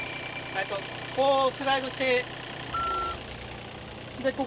こうスライドして。